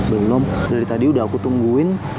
belum dari tadi udah aku tungguin